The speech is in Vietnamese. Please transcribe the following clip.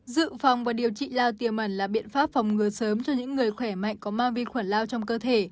dự phòng và điều trị lao tiềm ẩn là biện pháp phòng ngừa sớm cho những người khỏe mạnh có mang vi khuẩn lao trong cơ thể